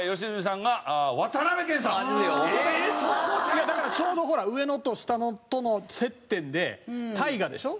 いやだからちょうどほら上のと下のとの接点で大河でしょ